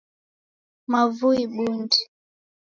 Mavui bundi